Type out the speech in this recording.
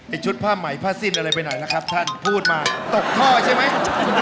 ชุดผ้าใหม่ผ้าสิ้นอะไรไปหน่อยล่ะครับท่านพูดมาตกท่อใช่ไหม